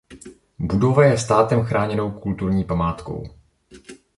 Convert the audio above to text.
Budova je státem chráněnou kulturní památkou.